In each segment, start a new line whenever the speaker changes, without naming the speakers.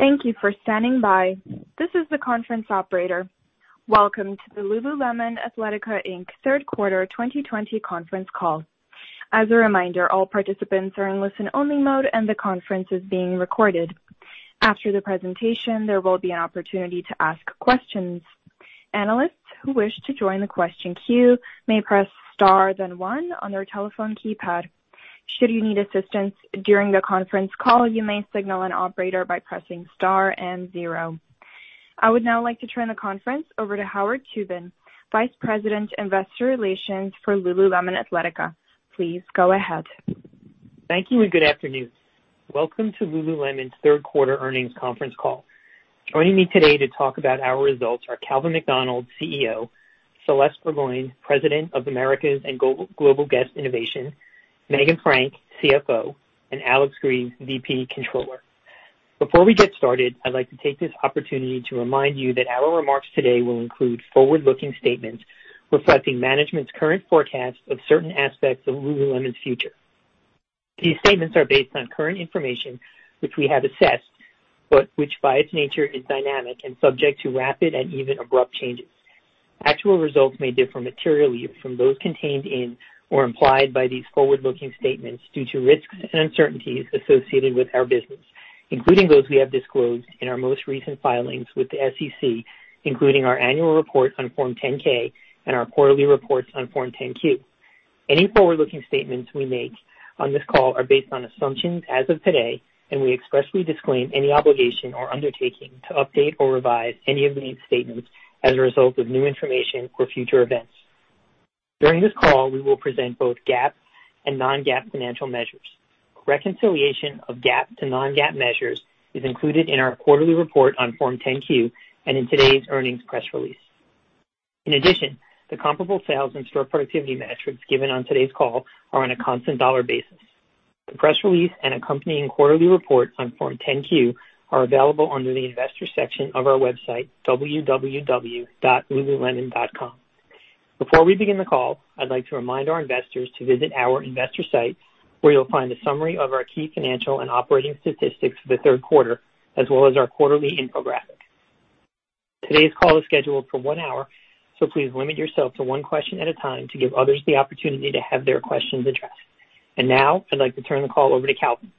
Thank you for standing by. This is the conference operator. Welcome to the Lululemon Athletica Inc. third quarter 2020 conference call. As a reminder, all participants are in listen-only mode and the conference is being recorded. After the presentation, there will be an opportunity to ask questions. Analysts who wish to join the question queue may press star then one on their telephone keypad. Should you need assistance during the conference call, you may signal an operator by pressing star and zero. I would now like to turn the conference over to Howard Tubin, Vice President, Investor Relations for Lululemon Athletica. Please go ahead.
Thank you and good afternoon. Welcome to Lululemon's third quarter earnings conference call. Joining me today to talk about our results are Calvin McDonald, CEO; Celeste Burgoyne, President of Americas and Global Guest Innovation; Meghan Frank, CFO; and Alex Grieve, VP Controller. Before we get started, I'd like to take this opportunity to remind you that our remarks today will include forward-looking statements reflecting management's current forecasts of certain aspects of Lululemon's future. These statements are based on current information which we have assessed, but which by its nature is dynamic and subject to rapid and even abrupt changes. Actual results may differ materially from those contained in or implied by these forward-looking statements due to risks and uncertainties associated with our business, including those we have disclosed in our most recent filings with the SEC, including our annual report on Form 10-K and our quarterly reports on Form 10-Q. Any forward-looking statements we make on this call are based on assumptions as of today, and we expressly disclaim any obligation or undertaking to update or revise any of these statements as a result of new information or future events. During this call, we will present both GAAP and non-GAAP financial measures. Reconciliation of GAAP to non-GAAP measures is included in our quarterly report on Form 10-Q and in today's earnings press release. In addition, the comparable sales and store productivity metrics given on today's call are on a constant dollar basis. The press release and accompanying quarterly report on Form 10-Q are available under the Investors section of our website, www.lululemon.com. Before we begin the call, I'd like to remind our investors to visit our investor site, where you'll find a summary of our key financial and operating statistics for the third quarter, as well as our quarterly infographic. Today's call is scheduled for one hour, so please limit yourself to one question at a time to give others the opportunity to have their questions addressed. Now, I'd like to turn the call over to Calvin.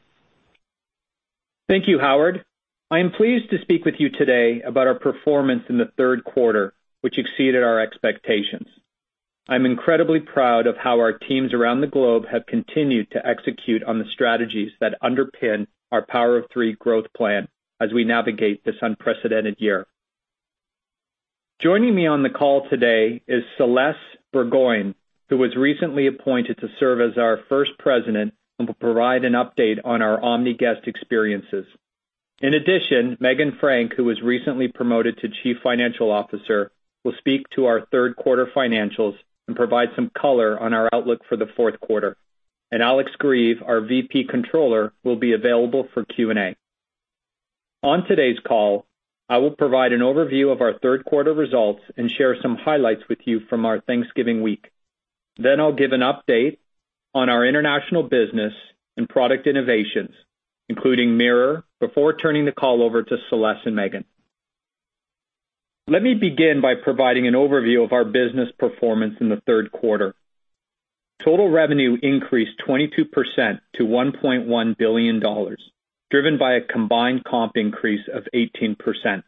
Thank you, Howard. I am pleased to speak with you today about our performance in the third quarter, which exceeded our expectations. I'm incredibly proud of how our teams around the globe have continued to execute on the strategies that underpin our Power of Three growth plan as we navigate this unprecedented year. Joining me on the call today is Celeste Burgoyne, who was recently appointed to serve as our first President and will provide an update on our omni-guest experiences. In addition, Meghan Frank, who was recently promoted to Chief Financial Officer, will speak to our third quarter financials and provide some color on our outlook for the fourth quarter. Alex Grieve, our VP Controller, will be available for Q&A. On today's call, I will provide an overview of our third quarter results and share some highlights with you from our Thanksgiving week. I'll give an update on our international business and product innovations, including Mirror, before turning the call over to Celeste and Meghan. Let me begin by providing an overview of our business performance in the third quarter. Total revenue increased 22% to $1.1 billion, driven by a combined comp increase of 18%.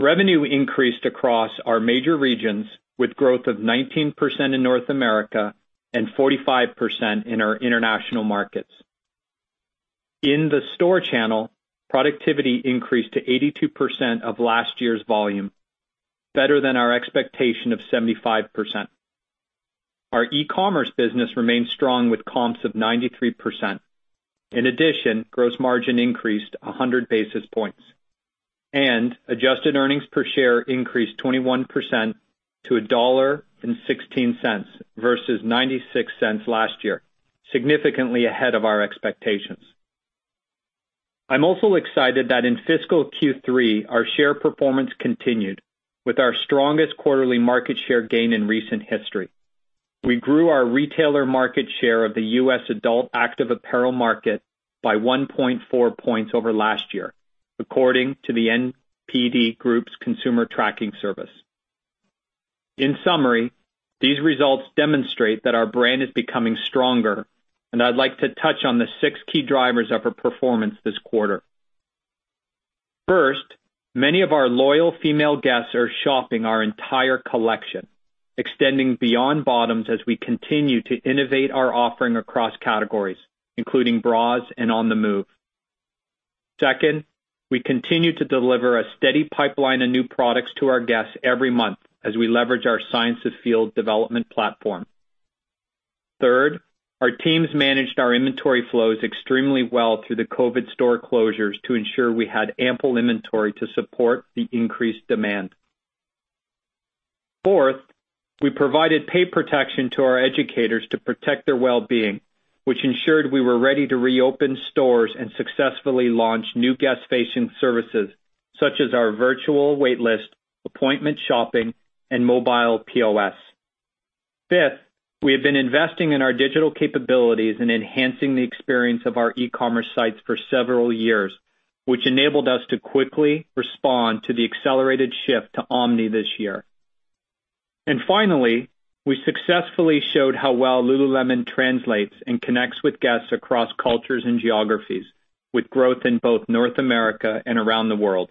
Revenue increased across our major regions, with growth of 19% in North America and 45% in our international markets. In the store channel, productivity increased to 82% of last year's volume, better than our expectation of 75%. Our e-commerce business remains strong with comps of 93%. In addition, gross margin increased 100 basis points, and adjusted EPS increased 21% to $1.16 versus $0.96 last year, significantly ahead of our expectations. I'm also excited that in fiscal Q3, our share performance continued with our strongest quarterly market share gain in recent history. We grew our retailer market share of the U.S. adult active apparel market by 1.4 points over last year, according to the NPD Group's consumer tracking service. In summary, these results demonstrate that our brand is becoming stronger, and I'd like to touch on the six key drivers of our performance this quarter. First, many of our loyal female guests are shopping our entire collection, extending beyond bottoms as we continue to innovate our offering across categories, including bras and On The Move. Second, we continue to deliver a steady pipeline of new products to our guests every month as we leverage our Science of Feel development platform. Third, our teams managed our inventory flows extremely well through the COVID store closures to ensure we had ample inventory to support the increased demand. Fourth, we provided pay protection to our educators to protect their well-being, which ensured we were ready to reopen stores and successfully launch new guest-facing services such as our virtual wait list, appointment shopping, and mobile POS. Fifth, we have been investing in our digital capabilities and enhancing the experience of our e-commerce sites for several years, which enabled us to quickly respond to the accelerated shift to omni this year. Finally, we successfully showed how well Lululemon translates and connects with guests across cultures and geographies, with growth in both North America and around the world.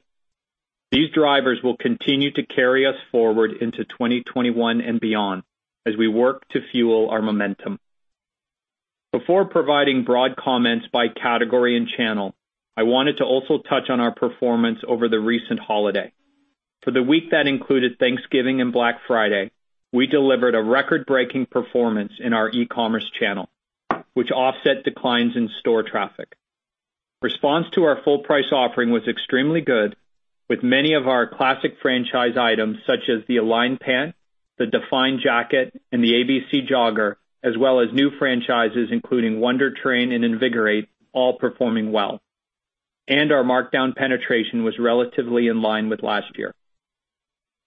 These drivers will continue to carry us forward into 2021 and beyond as we work to fuel our momentum. Before providing broad comments by category and channel, I wanted to also touch on our performance over the recent holiday. For the week that included Thanksgiving and Black Friday, we delivered a record-breaking performance in our e-commerce channel, which offset declines in store traffic. Response to our full price offering was extremely good, with many of our classic franchise items such as the Align pant, the Define jacket, and the ABC jogger, as well as new franchises including Wunder Train and Invigorate all performing well. Our markdown penetration was relatively in line with last year.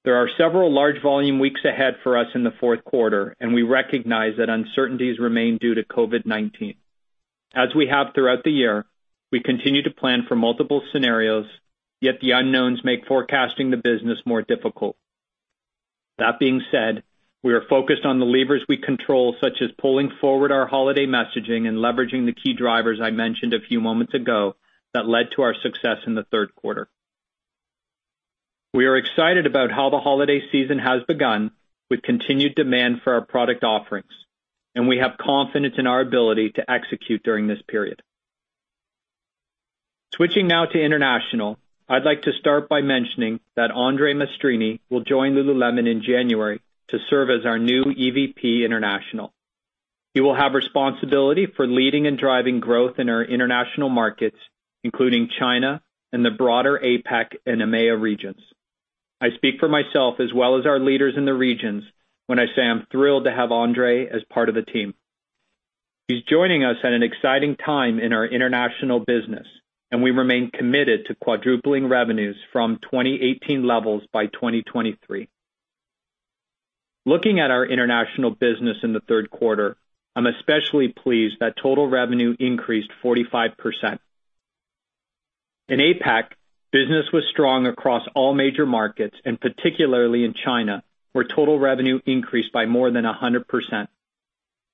There are several large volume weeks ahead for us in the fourth quarter, and we recognize that uncertainties remain due to COVID-19. As we have throughout the year, we continue to plan for multiple scenarios, yet the unknowns make forecasting the business more difficult. That being said, we are focused on the levers we control, such as pulling forward our holiday messaging and leveraging the key drivers I mentioned a few moments ago that led to our success in the third quarter. We are excited about how the holiday season has begun with continued demand for our product offerings, and we have confidence in our ability to execute during this period. Switching now to international, I'd like to start by mentioning that André Maestrini will join Lululemon in January to serve as our new EVP international. He will have responsibility for leading and driving growth in our international markets, including China and the broader APAC and EMEA regions. I speak for myself as well as our leaders in the regions when I say I'm thrilled to have André as part of the team. He's joining us at an exciting time in our international business, and we remain committed to quadrupling revenues from 2018 levels by 2023. Looking at our international business in the third quarter, I'm especially pleased that total revenue increased 45%. In APAC, business was strong across all major markets, and particularly in China, where total revenue increased by more than 100%.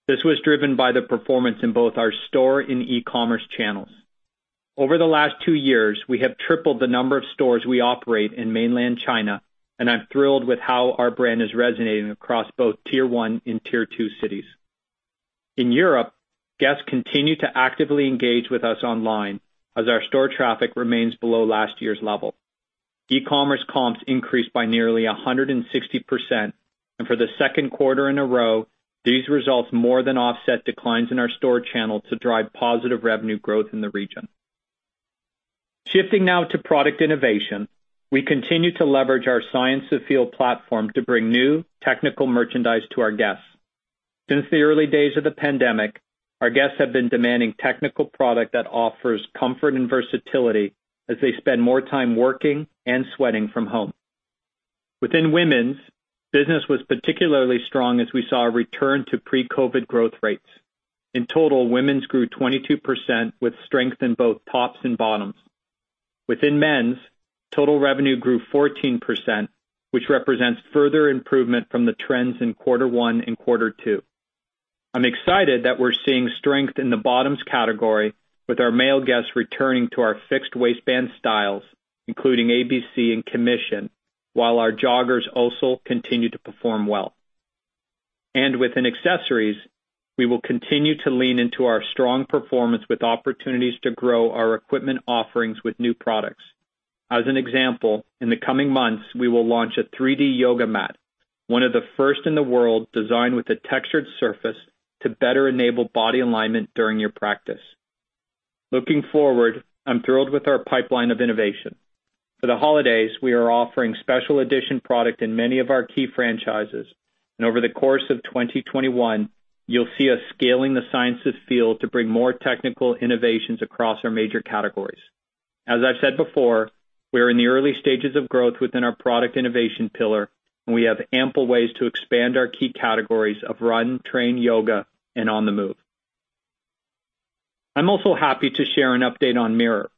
This was driven by the performance in both our store and e-commerce channels. Over the last two years, we have tripled the number of stores we operate in mainland China, and I'm thrilled with how our brand is resonating across both Tier 1 and Tier 2 cities. In Europe, guests continue to actively engage with us online as our store traffic remains below last year's level. E-commerce comps increased by nearly 160%. For the second quarter in a row, these results more than offset declines in our store channel to drive positive revenue growth in the region. Shifting now to product innovation, we continue to leverage our Science of Feel platform to bring new technical merchandise to our guests. Since the early days of the pandemic, our guests have been demanding technical product that offers comfort and versatility as they spend more time working and sweating from home. Within women's, business was particularly strong as we saw a return to pre-COVID-19 growth rates. In total, women's grew 22% with strength in both tops and bottoms. Within men's, total revenue grew 14%, which represents further improvement from the trends in quarter one and quarter two. I'm excited that we're seeing strength in the bottoms category with our male guests returning to our fixed waistband styles, including ABC and Commission, while our joggers also continue to perform well. Within accessories, we will continue to lean into our strong performance with opportunities to grow our equipment offerings with new products. As an example, in the coming months, we will launch a 3D yoga mat, one of the first in the world designed with a textured surface to better enable body alignment during your practice. Looking forward, I'm thrilled with our pipeline of innovation. For the holidays, we are offering special edition product in many of our key franchises, and over the course of 2021, you'll see us scaling the Science of Feel to bring more technical innovations across our major categories. As I've said before, we are in the early stages of growth within our product innovation pillar, and we have ample ways to expand our key categories of run, train, yoga, and On The Move. I'm also happy to share an update on Mirror.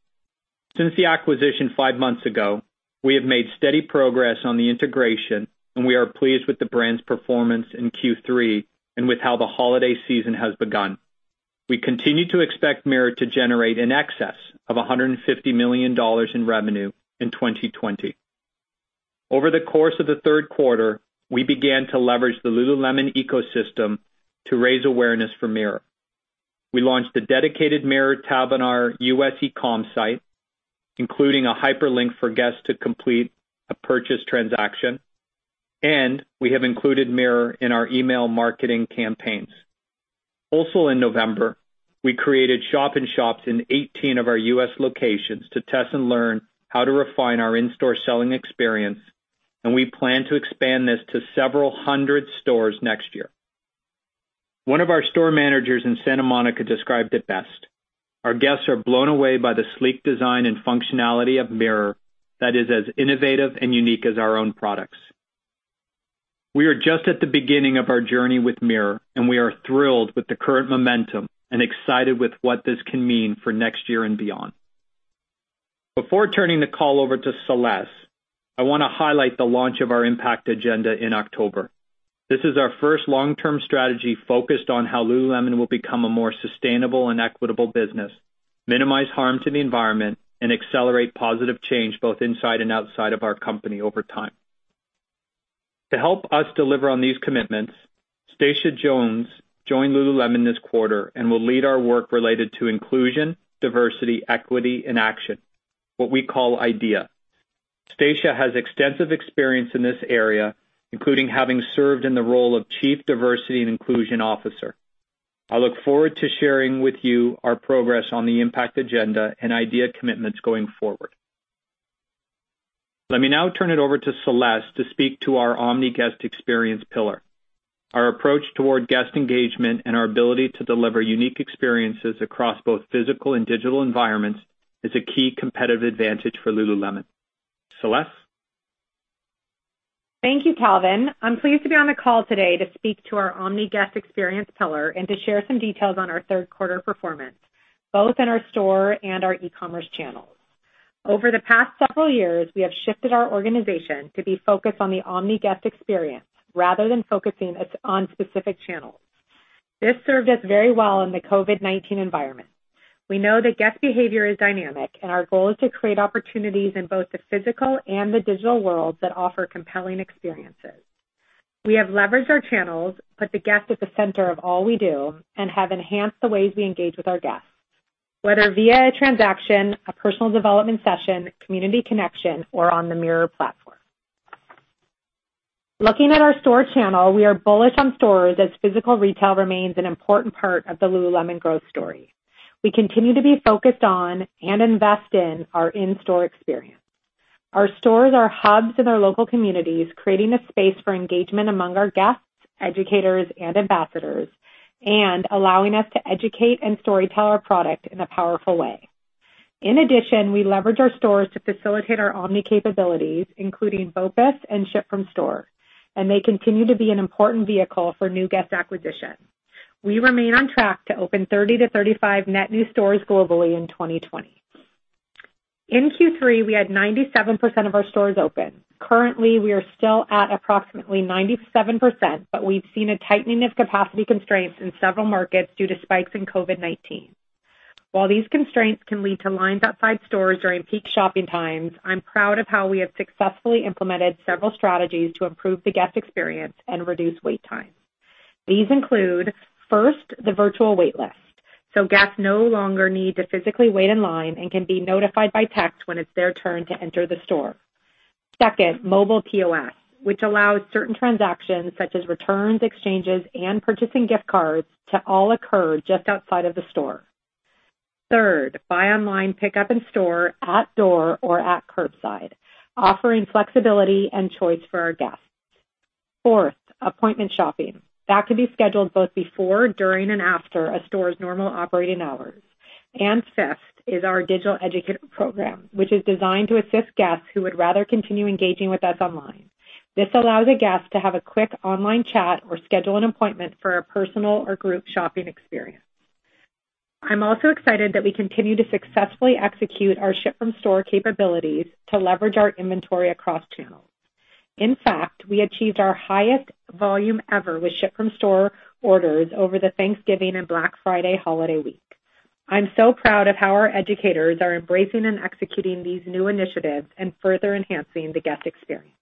Since the acquisition five months ago, we have made steady progress on the integration, and we are pleased with the brand's performance in Q3 and with how the holiday season has begun. We continue to expect Mirror to generate in excess of $150 million in revenue in 2020. Over the course of the third quarter, we began to leverage the Lululemon ecosystem to raise awareness for Mirror. We launched a dedicated Mirror tab on our U.S. e-com site, including a hyperlink for guests to complete a purchase transaction, and we have included Mirror in our email marketing campaigns. Also in November, we created shop-in-shops in 18 of our U.S. locations to test and learn how to refine our in-store selling experience, and we plan to expand this to several hundred stores next year. One of our Store Managers in Santa Monica described it best: our guests are blown away by the sleek design and functionality of Mirror that is as innovative and unique as our own products. We are just at the beginning of our journey with Mirror, and we are thrilled with the current momentum and excited with what this can mean for next year and beyond. Before turning the call over to Celeste, I want to highlight the launch of our Impact Agenda in October. This is our first long-term strategy focused on how Lululemon will become a more sustainable and equitable business, minimize harm to the environment, and accelerate positive change both inside and outside of our company over time. To help us deliver on these commitments, Stacia Jones joined Lululemon this quarter and will lead our work related to Inclusion, Diversity, Equity, and Action, what we call IDEA. Stacia has extensive experience in this area, including having served in the role of chief diversity and inclusion officer. I look forward to sharing with you our progress on the Impact Agenda and IDEA commitments going forward. Let me now turn it over to Celeste to speak to our omni-guest experience pillar. Our approach toward guest engagement and our ability to deliver unique experiences across both physical and digital environments is a key competitive advantage for Lululemon. Celeste?
Thank you, Calvin. I'm pleased to be on the call today to speak to our omni-guest experience pillar and to share some details on our third quarter performance, both in our store and our e-commerce channels. Over the past several years, we have shifted our organization to be focused on the omni-guest experience rather than focusing on specific channels. This served us very well in the COVID-19 environment. We know that guest behavior is dynamic, and our goal is to create opportunities in both the physical and the digital world that offer compelling experiences. We have leveraged our channels, put the guest at the center of all we do, and have enhanced the ways we engage with our guests, whether via a transaction, a personal development session, community connection, or on the Mirror platform. Looking at our store channel, we are bullish on stores as physical retail remains an important part of the Lululemon growth story. We continue to be focused on and invest in our in-store experience. Our stores are hubs in our local communities, creating a space for engagement among our guests, educators, and ambassadors, and allowing us to educate and storytell our product in a powerful way. In addition, we leverage our stores to facilitate our omni capabilities, including BOPUS and Ship from Store, and they continue to be an important vehicle for new guest acquisition. We remain on track to open 30-35 net new stores globally in 2020. In Q3, we had 97% of our stores open. Currently, we are still at approximately 97%, but we've seen a tightening of capacity constraints in several markets due to spikes in COVID-19. While these constraints can lead to lines outside stores during peak shopping times, I'm proud of how we have successfully implemented several strategies to improve the guest experience and reduce wait times. These include, first, the virtual wait list, so guests no longer need to physically wait in line and can be notified by text when it's their turn to enter the store. Second, mobile POS, which allows certain transactions such as returns, exchanges, and purchasing gift cards to all occur just outside of the store. Third, buy online, pickup in store, at door or at curbside, offering flexibility and choice for our guests. Fourth, appointment shopping that can be scheduled both before, during, and after a store's normal operating hours. Fifth is our digital educator program, which is designed to assist guests who would rather continue engaging with us online. This allows a guest to have a quick online chat or schedule an appointment for a personal or group shopping experience. I'm also excited that we continue to successfully execute our Ship from Store capabilities to leverage our inventory across channels. In fact, we achieved our highest volume ever with Ship from Store orders over the Thanksgiving and Black Friday holiday week. I'm so proud of how our educators are embracing and executing these new initiatives and further enhancing the guest experience.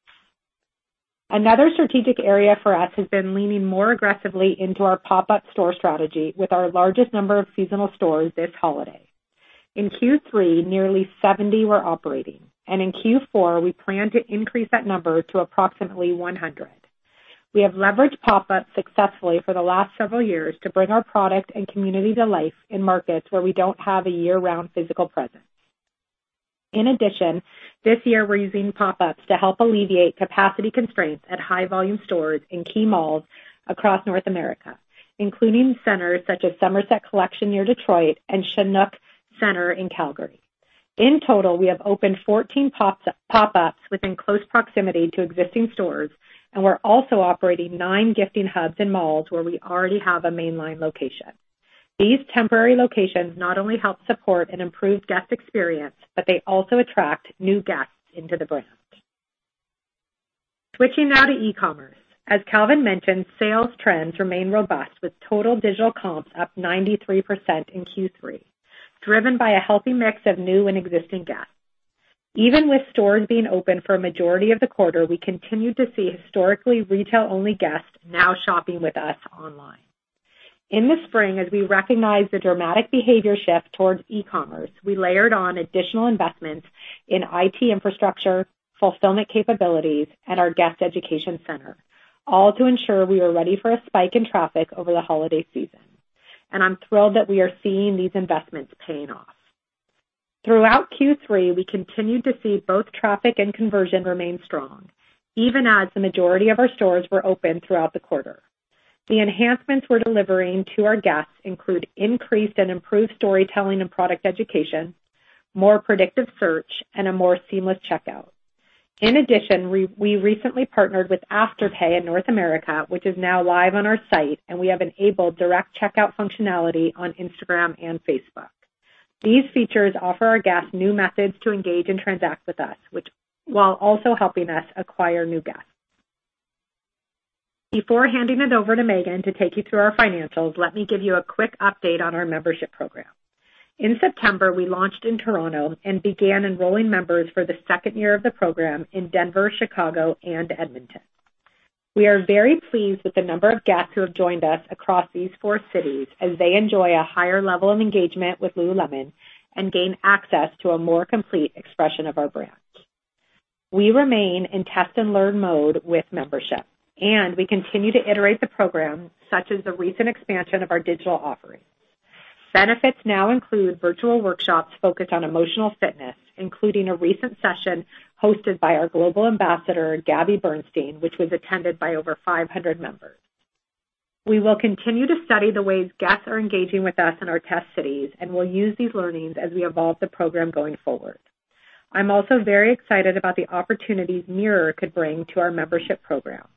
Another strategic area for us has been leaning more aggressively into our pop-up store strategy with our largest number of seasonal stores this holiday. In Q3, nearly 70 were operating, and in Q4, we plan to increase that number to approximately 100. We have leveraged pop-ups successfully for the last several years to bring our product and community to life in markets where we don't have a year-round physical presence. In addition, this year, we're using pop-ups to help alleviate capacity constraints at high volume stores in key malls across North America, including centers such as Somerset Collection near Detroit and Chinook Centre in Calgary. In total, we have opened 14 pop-ups within close proximity to existing stores, and we're also operating nine gifting hubs in malls where we already have a mainline location. These temporary locations not only help support and improve guest experience, but they also attract new guests into the brand. Switching now to e-commerce. As Calvin mentioned, sales trends remain robust with total digital comps up 93% in Q3, driven by a healthy mix of new and existing guests. Even with stores being open for a majority of the quarter, we continued to see historically retail-only guests now shopping with us online. In the spring, as we recognized the dramatic behavior shift towards e-commerce, we layered on additional investments in IT infrastructure, fulfillment capabilities, and our guest education center, all to ensure we were ready for a spike in traffic over the holiday season. I'm thrilled that we are seeing these investments paying off. Throughout Q3, we continued to see both traffic and conversion remain strong, even as the majority of our stores were open throughout the quarter. The enhancements we're delivering to our guests include increased and improved storytelling and product education, more predictive search, and a more seamless checkout. In addition, we recently partnered with Afterpay in North America, which is now live on our site, and we have enabled direct checkout functionality on Instagram and Facebook. These features offer our guests new methods to engage and transact with us, while also helping us acquire new guests. Before handing it over to Meghan to take you through our financials, let me give you a quick update on our membership program. In September, we launched in Toronto and began enrolling members for the second year of the program in Denver, Chicago, and Edmonton. We are very pleased with the number of guests who have joined us across these four cities, as they enjoy a higher level of engagement with Lululemon and gain access to a more complete expression of our brand. We remain in test and learn mode with membership, and we continue to iterate the program such as the recent expansion of our digital offerings. Benefits now include virtual workshops focused on emotional fitness, including a recent session hosted by our global ambassador, Gabby Bernstein, which was attended by over 500 members. We will continue to study the ways guests are engaging with us in our test cities, and we'll use these learnings as we evolve the program going forward. I'm also very excited about the opportunities Mirror could bring to our membership program.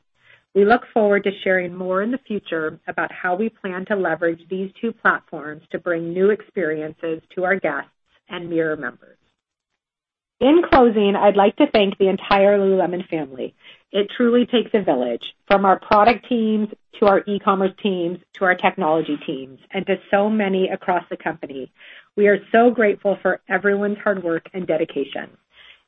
We look forward to sharing more in the future about how we plan to leverage these two platforms to bring new experiences to our guests and Mirror members. In closing, I'd like to thank the entire Lululemon family. It truly takes a village. From our product teams, to our e-commerce teams, to our technology teams, and to so many across the company. We are so grateful for everyone's hard work and dedication.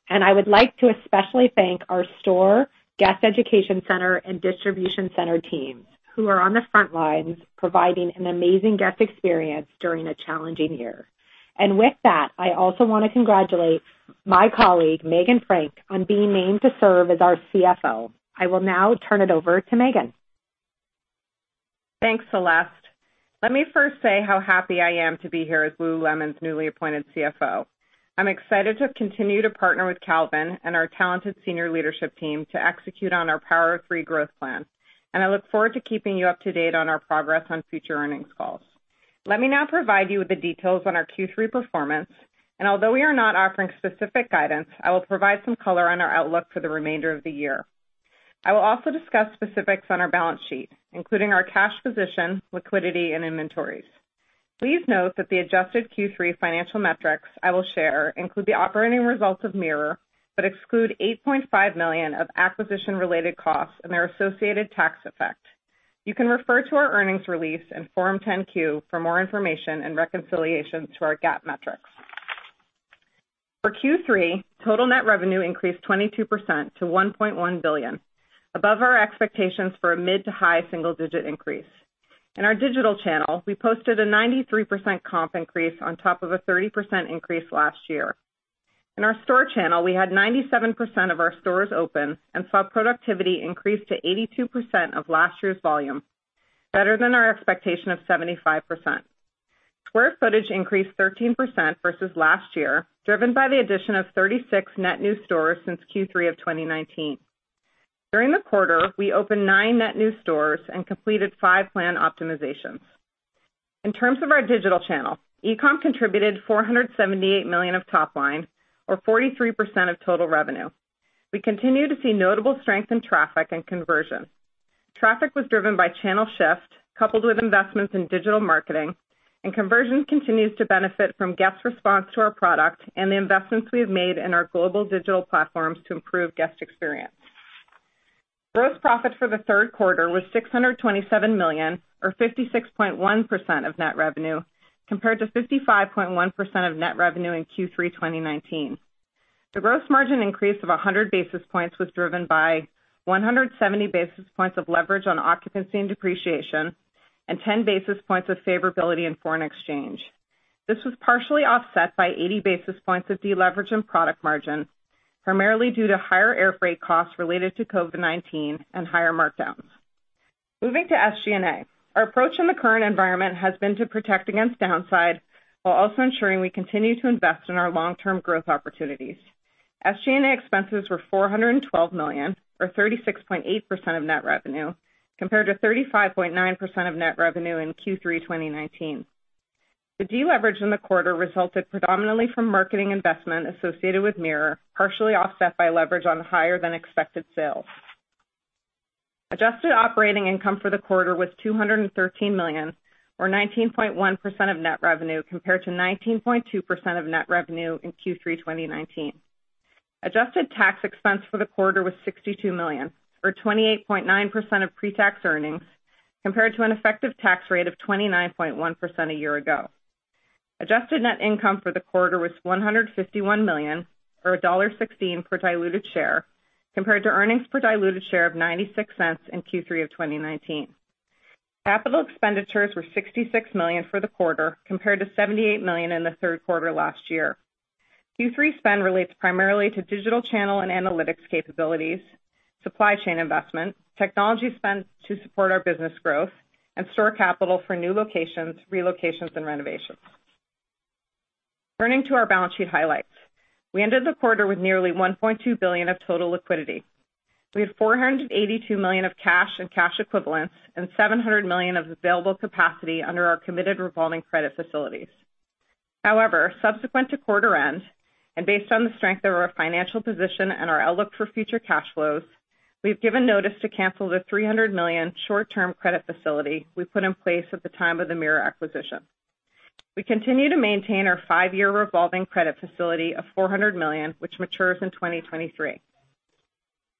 I would like to especially thank our store guest education center and distribution center teams who are on the front lines providing an amazing guest experience during a challenging year. With that, I also want to congratulate my colleague, Meghan Frank, on being named to serve as our CFO. I will now turn it over to Meghan.
Thanks, Celeste. Let me first say how happy I am to be here as Lululemon's newly appointed CFO. I'm excited to continue to partner with Calvin and our talented senior leadership team to execute on our Power of Three growth plan, and I look forward to keeping you up to date on our progress on future earnings calls. Let me now provide you with the details on our Q3 performance, and although we are not offering specific guidance, I will provide some color on our outlook for the remainder of the year. I will also discuss specifics on our balance sheet, including our cash position, liquidity, and inventories. Please note that the adjusted Q3 financial metrics I will share include the operating results of Mirror, but exclude $8.5 million of acquisition-related costs and their associated tax effect. You can refer to our earnings release and Form 10-Q for more information and reconciliation to our GAAP metrics. For Q3, total net revenue increased 22% to $1.1 billion, above our expectations for a mid to high single-digit increase. In our digital channel, we posted a 93% comp increase on top of a 30% increase last year. In our store channel, we had 97% of our stores open and saw productivity increase to 82% of last year's volume, better than our expectation of 75%. Square footage increased 13% versus last year, driven by the addition of 36 net new stores since Q3 of 2019. During the quarter, we opened nine net new stores and completed five plan optimizations. In terms of our digital channel, e-com contributed $478 million of top line, or 43% of total revenue. We continue to see notable strength in traffic and conversion. Traffic was driven by channel shift coupled with investments in digital marketing. Conversion continues to benefit from guests' response to our product and the investments we have made in our global digital platforms to improve guest experience. Gross profit for the third quarter was $627 million or 56.1% of net revenue, compared to 55.1% of net revenue in Q3 2019. The gross margin increase of 100 basis points was driven by 170 basis points of leverage on occupancy and depreciation and 10 basis points of favorability in foreign exchange. This was partially offset by 80 basis points of deleverage in product margin, primarily due to higher airfreight costs related to COVID-19 and higher markdowns. Moving to SG&A. Our approach in the current environment has been to protect against downside while also ensuring we continue to invest in our long-term growth opportunities. SG&A expenses were $412 million or 36.8% of net revenue, compared to 35.9% of net revenue in Q3 2019. The deleverage in the quarter resulted predominantly from marketing investment associated with Mirror, partially offset by leverage on higher than expected sales. Adjusted operating income for the quarter was $213 million or 19.1% of net revenue, compared to 19.2% of net revenue in Q3 2019. Adjusted tax expense for the quarter was $62 million or 28.9% of pre-tax earnings, compared to an effective tax rate of 29.1% a year ago. Adjusted net income for the quarter was $151 million or $1.16 per diluted share, compared to earnings per diluted share of $0.96 in Q3 of 2019. Capital expenditures were $66 million for the quarter, compared to $78 million in the third quarter last year. Q3 spend relates primarily to digital channel and analytics capabilities, supply chain investment, technology spend to support our business growth, and store capital for new locations, relocations, and renovations. Turning to our balance sheet highlights. We ended the quarter with nearly $1.2 billion of total liquidity. We had $482 million of cash and cash equivalents and $700 million of available capacity under our committed revolving credit facilities. However, subsequent to quarter end, and based on the strength of our financial position and our outlook for future cash flows, we've given notice to cancel the $300 million short-term credit facility we put in place at the time of the Mirror acquisition. We continue to maintain our five year revolving credit facility of $400 million, which matures in 2023.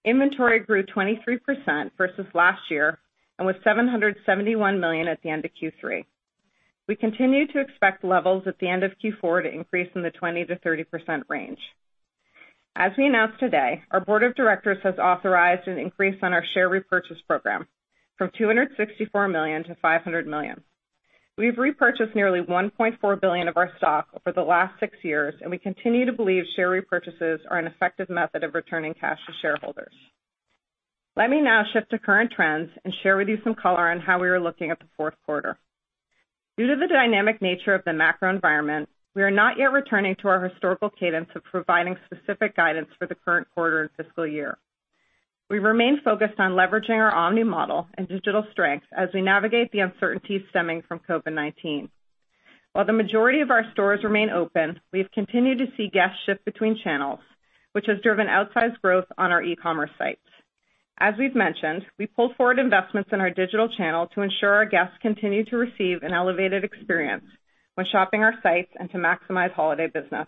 Inventory grew 23% versus last year and was $771 million at the end of Q3. We continue to expect levels at the end of Q4 to increase in the 20%-30% range. As we announced today, our Board of Directors has authorized an increase on our share repurchase program from $264 million-$500 million. We've repurchased nearly $1.4 billion of our stock over the last six years, and we continue to believe share repurchases are an effective method of returning cash to shareholders. Let me now shift to current trends and share with you some color on how we are looking at the fourth quarter. Due to the dynamic nature of the macro environment, we are not yet returning to our historical cadence of providing specific guidance for the current quarter and fiscal year. We remain focused on leveraging our omni model and digital strength as we navigate the uncertainties stemming from COVID-19. While the majority of our stores remain open, we have continued to see guests shift between channels, which has driven outsized growth on our e-commerce sites. As we've mentioned, we pulled forward investments in our digital channel to ensure our guests continue to receive an elevated experience when shopping our sites and to maximize holiday business.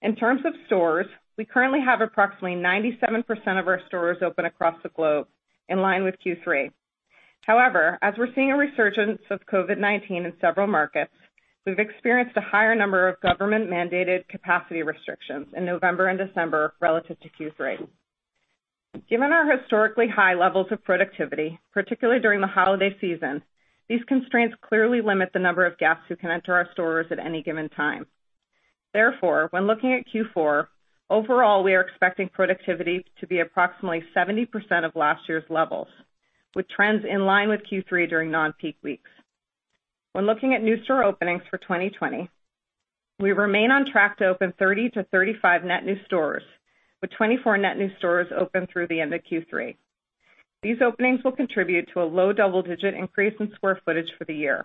In terms of stores, we currently have approximately 97% of our stores open across the globe, in line with Q3. As we're seeing a resurgence of COVID-19 in several markets, we've experienced a higher number of government-mandated capacity restrictions in November and December relative to Q3. Given our historically high levels of productivity, particularly during the holiday season, these constraints clearly limit the number of guests who can enter our stores at any given time. Therefore, when looking at Q4, overall, we are expecting productivity to be approximately 70% of last year's levels, with trends in line with Q3 during non-peak weeks. When looking at new store openings for 2020, we remain on track to open 30-35 net new stores, with 24 net new stores open through the end of Q3. These openings will contribute to a low double-digit increase in square footage for the year.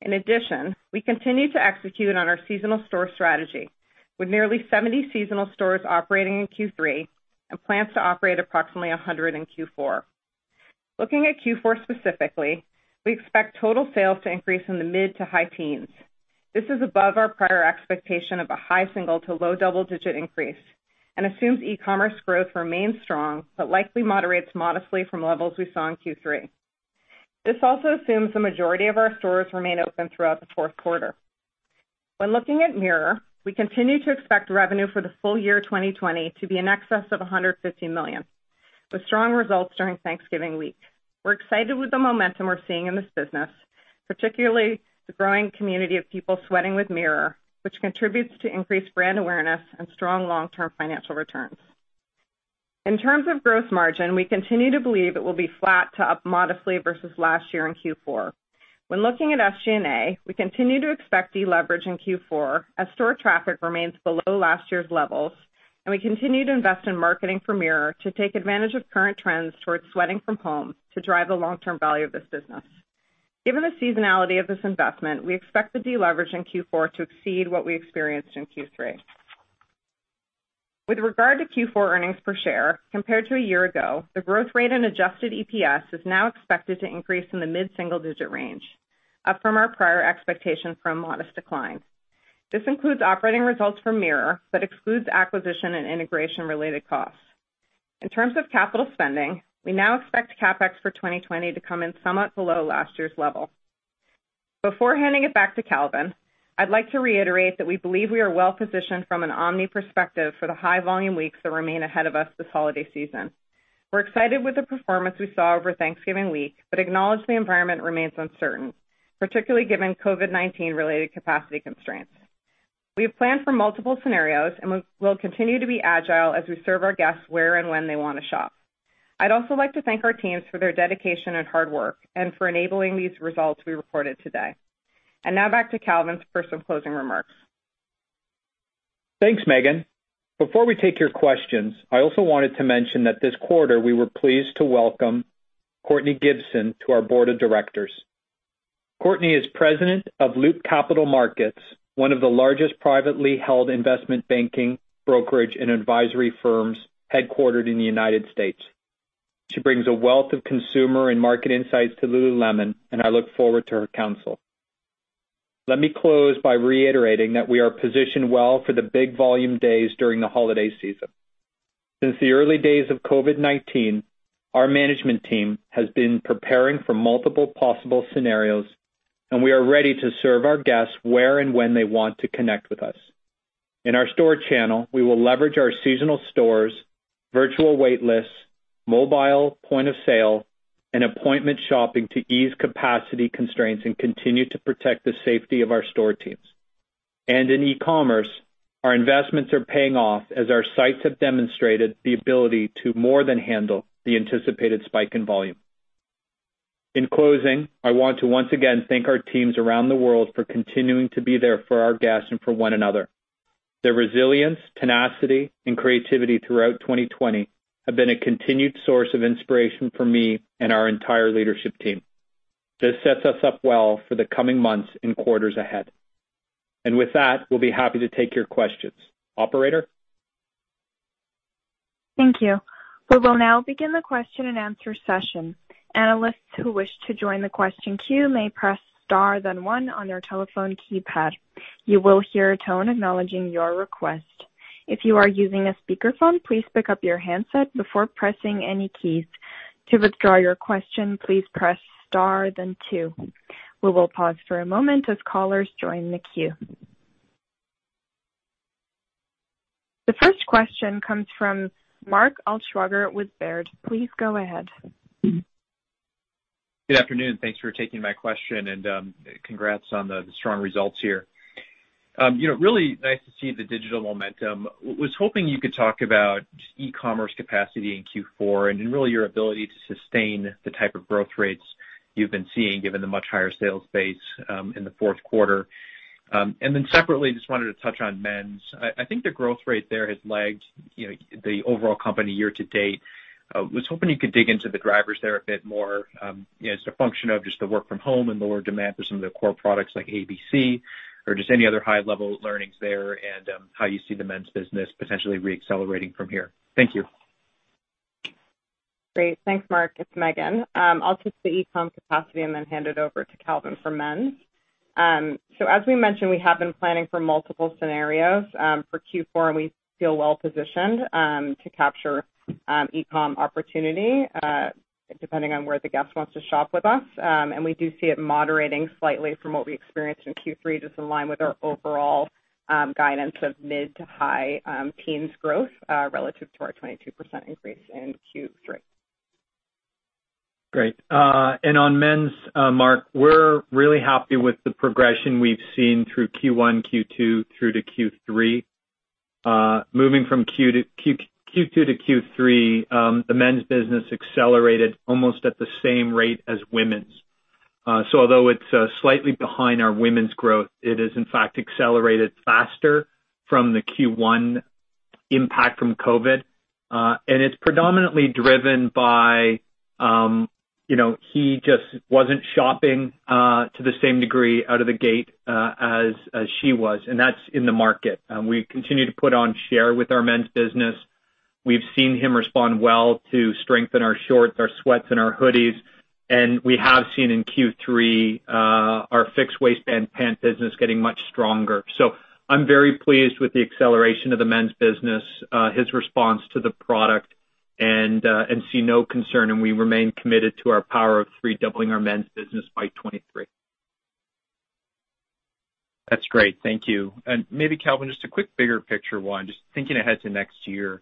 In addition, we continue to execute on our seasonal store strategy with nearly 70 seasonal stores operating in Q3 and plans to operate approximately 100 in Q4. Looking at Q4 specifically, we expect total sales to increase in the mid to high teens. This is above our prior expectation of a high single to low double-digit increase and assumes e-commerce growth remains strong, but likely moderates modestly from levels we saw in Q3. This also assumes the majority of our stores remain open throughout the fourth quarter. When looking at Mirror, we continue to expect revenue for the full year 2020 to be in excess of $150 million, with strong results during Thanksgiving week. We're excited with the momentum we're seeing in this business, particularly the growing community of people sweating with Mirror, which contributes to increased brand awareness and strong long-term financial returns. In terms of gross margin, we continue to believe it will be flat to up modestly versus last year in Q4. When looking at SG&A, we continue to expect deleverage in Q4 as store traffic remains below last year's levels, and we continue to invest in marketing for Mirror to take advantage of current trends towards sweating from home to drive the long-term value of this business. Given the seasonality of this investment, we expect the deleverage in Q4 to exceed what we experienced in Q3. With regard to Q4 earnings per share, compared to a year ago, the growth rate in adjusted EPS is now expected to increase in the mid-single-digit range, up from our prior expectation for a modest decline. This includes operating results from Mirror, but excludes acquisition and integration-related costs. In terms of capital spending, we now expect CapEx for 2020 to come in somewhat below last year's level. Before handing it back to Calvin, I'd like to reiterate that we believe we are well-positioned from an omni perspective for the high-volume weeks that remain ahead of us this holiday season. We're excited with the performance we saw over Thanksgiving week, but acknowledge the environment remains uncertain, particularly given COVID-19-related capacity constraints. We have planned for multiple scenarios, and we'll continue to be agile as we serve our guests where and when they want to shop. I'd also like to thank our teams for their dedication and hard work and for enabling these results we reported today. Now back to Calvin for some closing remarks.
Thanks, Meghan. Before we take your questions, I also wanted to mention that this quarter, we were pleased to welcome Kourtney Gibson to our Board of Directors. Kourtney is president of Loop Capital Markets, one of the largest privately held investment banking, brokerage, and advisory firms headquartered in the U.S. She brings a wealth of consumer and market insights to Lululemon, and I look forward to her counsel. Let me close by reiterating that we are positioned well for the big volume days during the holiday season. Since the early days of COVID-19, our management team has been preparing for multiple possible scenarios, and we are ready to serve our guests where and when they want to connect with us. In our store channel, we will leverage our seasonal stores, virtual wait lists, mobile point of sale, and appointment shopping to ease capacity constraints and continue to protect the safety of our store teams. In e-commerce, our investments are paying off as our sites have demonstrated the ability to more than handle the anticipated spike in volume. In closing, I want to once again thank our teams around the world for continuing to be there for our guests and for one another. Their resilience, tenacity, and creativity throughout 2020 have been a continued source of inspiration for me and our entire leadership team. This sets us up well for the coming months and quarters ahead. With that, we'll be happy to take your questions. Operator?
Thank you. We will now begin the question and answer session. Analysts who wish to join the question queue may press star then one on their telephone keypad. You will hear a tone acknowledging your request. If you are using a speakerphone, please pick up your handset before pressing any keys. To withdraw your question, please press star then two. We will pause for a moment as callers join the queue. The first question comes from Mark Altschwager with Baird. Please go ahead.
Good afternoon. Thanks for taking my question, and congrats on the strong results here. Really nice to see the digital momentum. Was hoping you could talk about e-commerce capacity in Q4 and really your ability to sustain the type of growth rates you've been seeing, given the much higher sales base in the fourth quarter. Separately, just wanted to touch on men's. I think the growth rate there has lagged the overall company year-to-date. I was hoping you could dig into the drivers there a bit more. Is it a function of just the work from home and lower demand for some of the core products like ABC, or just any other high level learnings there, and how you see the men's business potentially re-accelerating from here? Thank you.
Great. Thanks, Mark. It's Meghan. I'll touch the e-com capacity and then hand it over to Calvin for men's. As we mentioned, we have been planning for multiple scenarios for Q4, and we feel well positioned to capture e-com opportunity, depending on where the guest wants to shop with us. We do see it moderating slightly from what we experienced in Q3, just in line with our overall guidance of mid to high teens growth relative to our 22% increase in Q3.
Great. On men's, Mark, we're really happy with the progression we've seen through Q1, Q2 through to Q3. Moving from Q2-Q3, the men's business accelerated almost at the same rate as women's. Although it's slightly behind our women's growth, it is in fact accelerated faster from the Q1 impact from COVID-19. It's predominantly driven by he just wasn't shopping to the same degree out of the gate as she was, and that's in the market. We continue to put on share with our men's business. We've seen him respond well to strength in our shorts, our sweats, and our hoodies, and we have seen in Q3 our fixed waistband pant business getting much stronger. I'm very pleased with the acceleration of the men's business, his response to the product, and see no concern, and we remain committed to our Power of Three doubling our men's business by 2023.
That's great. Thank you. Maybe Calvin, just a quick bigger picture one, just thinking ahead to next year.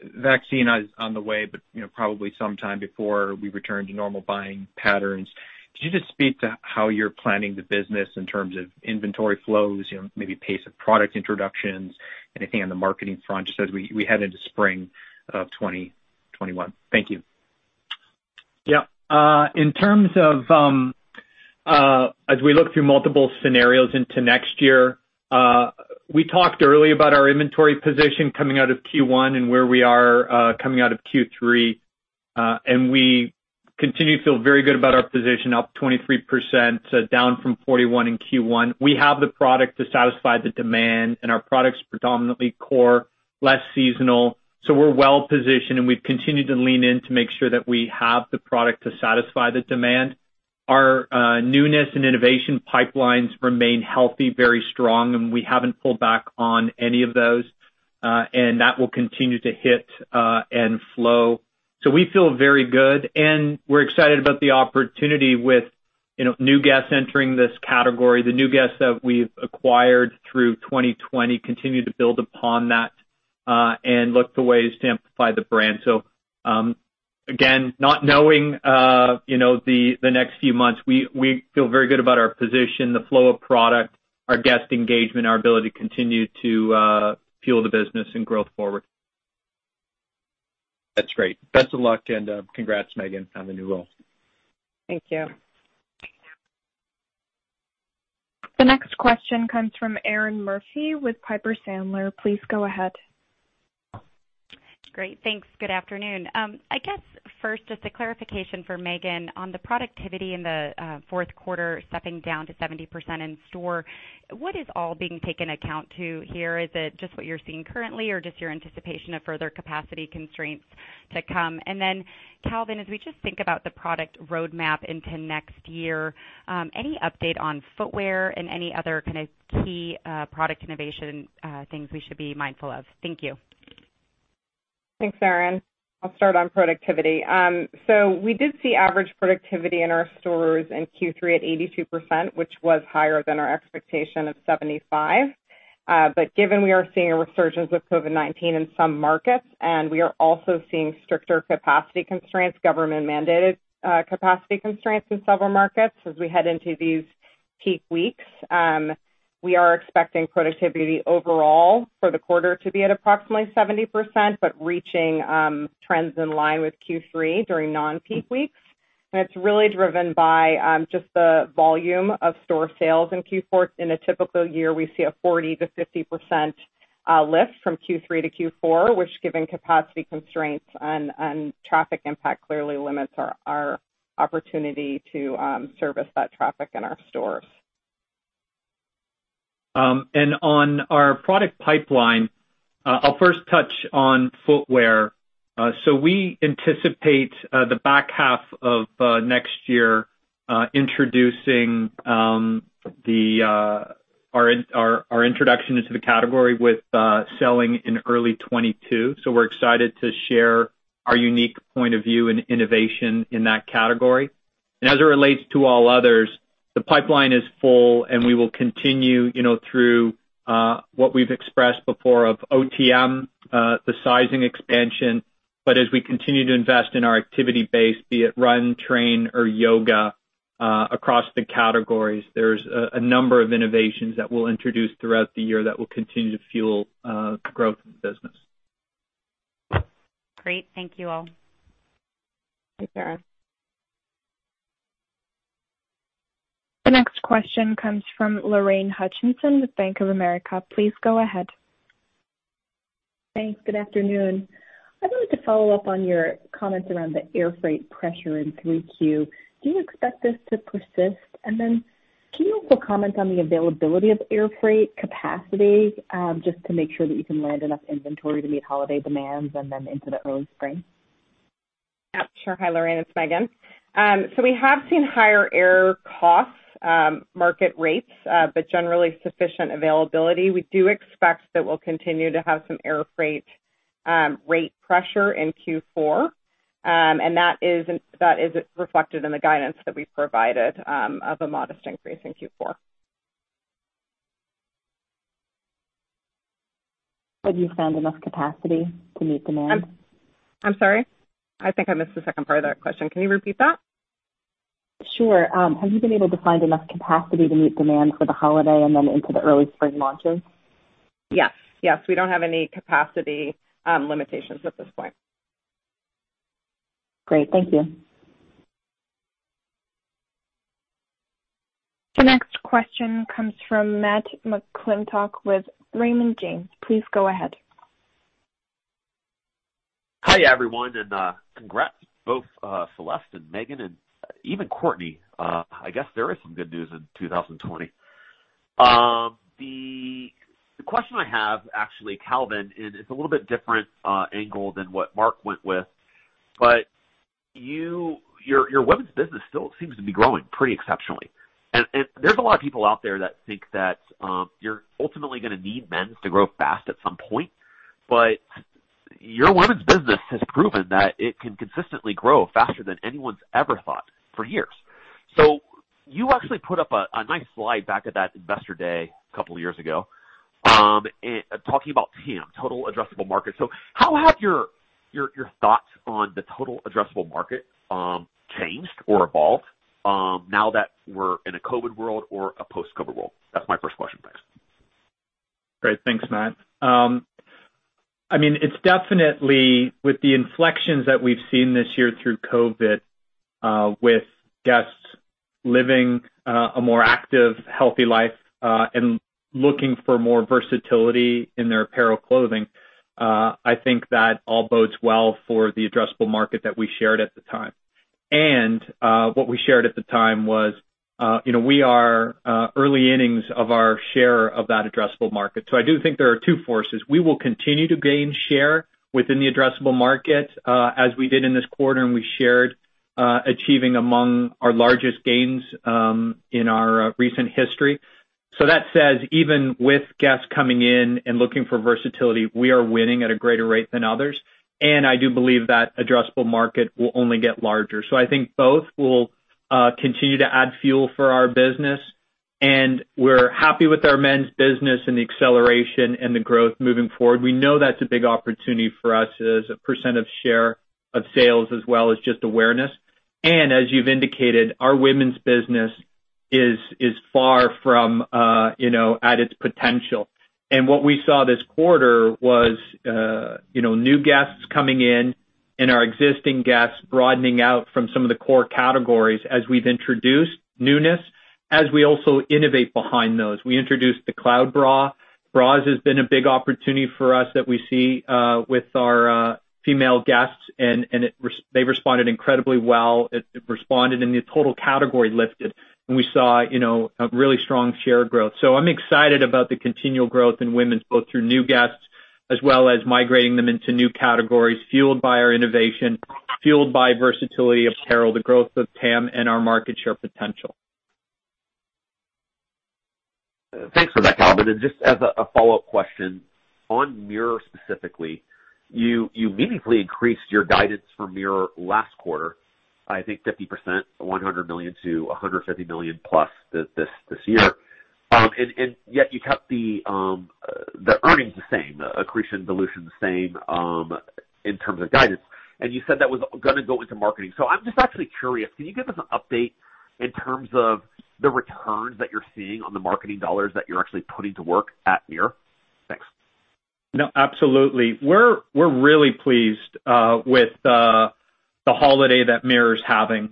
Vaccine is on the way, probably sometime before we return to normal buying patterns. Could you just speak to how you're planning the business in terms of inventory flows, maybe pace of product introductions, anything on the marketing front, just as we head into spring of 2021? Thank you.
Yeah. As we look through multiple scenarios into next year, we talked early about our inventory position coming out of Q1 and where we are coming out of Q3. We continue to feel very good about our position, up 23%, down from 41 in Q1. We have the product to satisfy the demand, and our product's predominantly core, less seasonal. We're well positioned, and we've continued to lean in to make sure that we have the product to satisfy the demand. Our newness and innovation pipelines remain healthy, very strong, and we haven't pulled back on any of those. That will continue to hit and flow. We feel very good, and we're excited about the opportunity with new guests entering this category. The new guests that we've acquired through 2020 continue to build upon that and look for ways to amplify the brand. Again, not knowing the next few months, we feel very good about our position, the flow of product, our guest engagement, our ability to continue to fuel the business and growth forward.
That's great. Best of luck, and congrats, Meghan, on the new role.
Thank you.
The next question comes from Erinn Murphy with Piper Sandler. Please go ahead.
Great, thanks. Good afternoon. I guess first, just a clarification for Meghan on the productivity in the fourth quarter stepping down to 70% in store. What is all being taken account to here? Is it just what you're seeing currently or just your anticipation of further capacity constraints to come? Then Calvin, as we just think about the product roadmap into next year, any update on footwear and any other key product innovation things we should be mindful of? Thank you.
Thanks, Erinn. I'll start on productivity. We did see average productivity in our stores in Q3 at 82%, which was higher than our expectation of 75%. Given we are seeing a resurgence of COVID-19 in some markets, and we are also seeing stricter capacity constraints, government-mandated capacity constraints in several markets as we head into these peak weeks. We are expecting productivity overall for the quarter to be at approximately 70%, but reaching trends in line with Q3 during non-peak weeks. It's really driven by just the volume of store sales in Q4. In a typical year, we see a 40%-50% lift from Q3 to Q4, which, given capacity constraints and traffic impact, clearly limits our opportunity to service that traffic in our stores.
On our product pipeline, I'll first touch on footwear. We anticipate the back half of next year, our introduction into the category with selling in early 2022. We're excited to share our unique point of view and innovation in that category. As it relates to all others, the pipeline is full, and we will continue through what we've expressed before of OTM, the sizing expansion. As we continue to invest in our activity base, be it run, train, or yoga, across the categories, there's a number of innovations that we'll introduce throughout the year that will continue to fuel growth in the business.
Great. Thank you all.
Thanks, Erinn.
The next question comes from Lorraine Hutchinson with Bank of America. Please go ahead.
Thanks. Good afternoon. I'd like to follow up on your comments around the air freight pressure in 3Q. Do you expect this to persist? Can you also comment on the availability of air freight capacity, just to make sure that you can land enough inventory to meet holiday demands and then into the early spring?
Yeah, sure. Hi, Lorraine, it's Meghan. We have seen higher air costs, market rates, but generally sufficient availability. We do expect that we'll continue to have some air freight rate pressure in Q4, that is reflected in the guidance that we provided, of a modest increase in Q4.
Have you found enough capacity to meet demand?
I'm sorry. I think I missed the second part of that question. Can you repeat that?
Sure. Have you been able to find enough capacity to meet demand for the holiday and then into the early spring launches?
Yes. We don't have any capacity limitations at this point.
Great. Thank you.
The next question comes from Matt McClintock with Raymond James. Please go ahead.
Hi, everyone, and congrats both Celeste and Meghan, and even Kourtney. I guess there is some good news in 2020. The question I have, actually, Calvin, and it's a little bit different angle than what Mark went with, but your women's business still seems to be growing pretty exceptionally. There's a lot of people out there that think that you're ultimately gonna need men's to grow fast at some point. Your women's business has proven that it can consistently grow faster than anyone's ever thought for years. You actually put up a nice slide back at that Analyst Day a couple of years ago, talking about TAM, total addressable market. How have your thoughts on the total addressable market changed or evolved now that we're in a COVID-19 world or a post-COVID-19 world? That's my first question. Thanks.
Great. Thanks, Matt. It's definitely with the inflections that we've seen this year through COVID, with guests living a more active, healthy life, and looking for more versatility in their apparel clothing. I think that all bodes well for the addressable market that we shared at the time. What we shared at the time was, we are early innings of our share of that addressable market. I do think there are two forces. We will continue to gain share within the addressable market, as we did in this quarter, and we shared achieving among our largest gains in our recent history. That says, even with guests coming in and looking for versatility, we are winning at a greater rate than others, and I do believe that addressable market will only get larger. I think both will continue to add fuel for our business, and we're happy with our men's business and the acceleration and the growth moving forward. We know that's a big opportunity for us as a % of share of sales as well as just awareness. As you've indicated, our women's business is far from at its potential. What we saw this quarter was new guests coming in and our existing guests broadening out from some of the core categories as we've introduced newness, as we also innovate behind those. We introduced the Like a Cloud Bra. Bras has been a big opportunity for us that we see with our female guests, and they responded incredibly well. It responded, and the total category lifted, and we saw a really strong share growth. I'm excited about the continual growth in women's, both through new guests as well as migrating them into new categories fueled by our innovation, fueled by versatility apparel, the growth of TAM, and our market share potential.
Thanks for that, Calvin. Just as a follow-up question, on Mirror specifically, you meaningfully increased your guidance for Mirror last quarter, I think 50%, $100 million-$150 million+ this year. Yet you kept the earnings the same, accretion, dilution the same in terms of guidance. You said that was going to go into marketing. I'm just actually curious, can you give us an update in terms of the returns that you're seeing on the marketing dollars that you're actually putting to work at Mirror? Thanks.
No, absolutely. We're really pleased with the holiday that Mirror's having.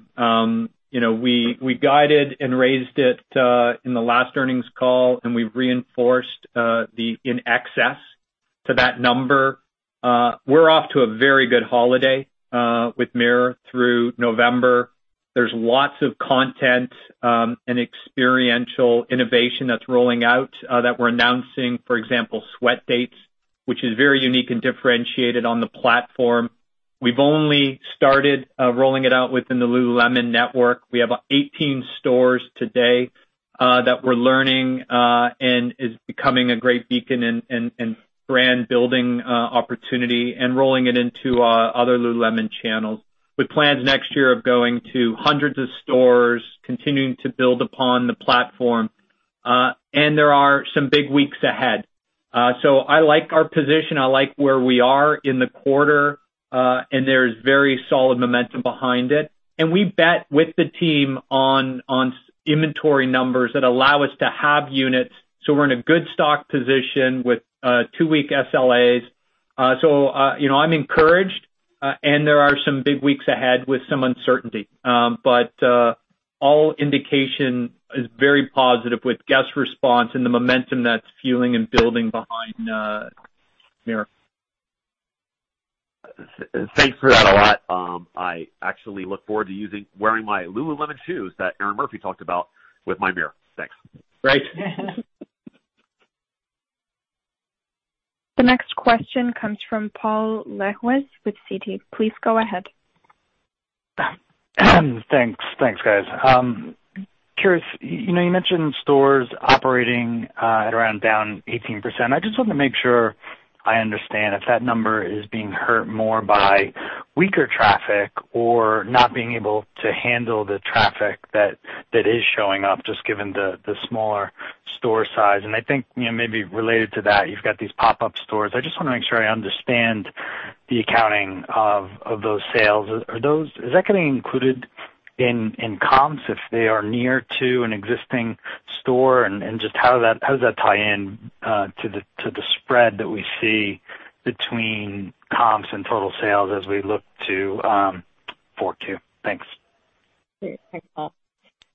We guided and raised it in the last earnings call, and we've reinforced the in excess to that number. We're off to a very good holiday with Mirror through November. There's lots of content, and experiential innovation that's rolling out that we're announcing. For example, Sweat Dates, which is very unique and differentiated on the platform. We've only started rolling it out within the Lululemon network. We have 18 stores today that we're learning, and is becoming a great beacon and brand building opportunity and rolling it into other Lululemon channels with plans next year of going to hundreds of stores, continuing to build upon the platform. There are some big weeks ahead. I like our position. I like where we are in the quarter. There's very solid momentum behind it. We bet with the team on inventory numbers that allow us to have units, so we're in a good stock position with two-week SLAs. I'm encouraged, and there are some big weeks ahead with some uncertainty. All indication is very positive with guest response and the momentum that's fueling and building behind Mirror.
Thanks for that a lot. I actually look forward to wearing my Lululemon shoes that Erinn talked about with my Mirror. Thanks.
Great.
The next question comes from Paul Lejuez with Citi. Please go ahead.
Thanks. Thanks, guys. Curious, you mentioned stores operating at around down 18%. I just want to make sure I understand if that number is being hurt more by weaker traffic or not being able to handle the traffic that is showing up, just given the smaller store size. I think, maybe related to that, you've got these pop-up stores. I just want to make sure I understand the accounting of those sales. Is that getting included in comps if they are near to an existing store? Just how does that tie in to the spread that we see between comps and total sales as we look to 4Q? Thanks.
Great. Thanks, Paul.